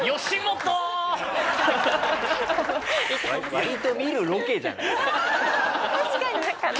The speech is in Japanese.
割と見るロケじゃないかそれ。